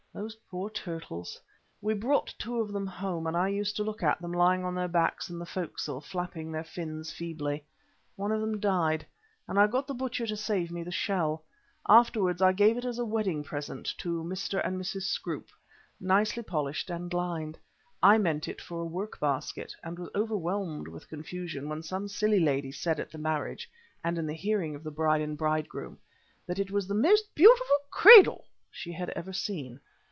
Those poor turtles. We brought two of them home, and I used to look at them lying on their backs in the forecastle flapping their fins feebly. One of them died, and I got the butcher to save me the shell. Afterwards I gave it as a wedding present to Mr. and Mrs. Scroope, nicely polished and lined. I meant it for a work basket, and was overwhelmed with confusion when some silly lady said at the marriage, and in the hearing of the bride and bridegroom, that it was the most beautiful cradle she had ever seen.